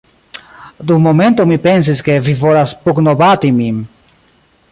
Dum momento, mi pensis, ke vi volas pugnobati min